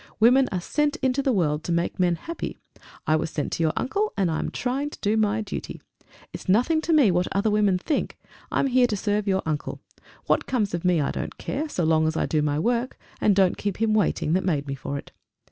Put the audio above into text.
Women are sent into the world to make men happy. I was sent to your uncle, and I'm trying to do my duty. It's nothing to me what other women think; I'm here to serve your uncle. What comes of me, I don't care, so long as I do my work, and don't keep him waiting that made me for it.